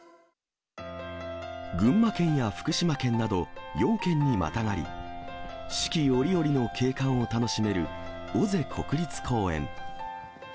群馬県や福島県など、４県にまたがり、四季折々の景観を楽しめる尾瀬国立公園。